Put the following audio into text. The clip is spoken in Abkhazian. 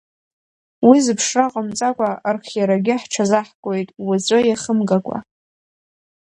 Уи зыԥшра ҟамҵакәа архиарагьы ҳҽазаҳкуеит уаҵәы иахымгакәа.